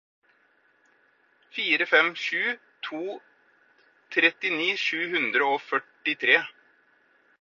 fire fem sju to trettini sju hundre og førtitre